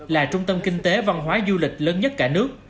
là trung tâm kinh tế văn hóa du lịch lớn nhất cả nước